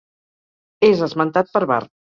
És esmentat per Var.